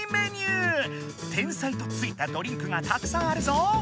「天才」とついたドリンクがたくさんあるぞ！